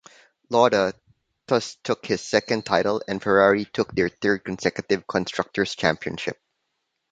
Lauda thus took his second title, and Ferrari took their third consecutive Constructor's Championship.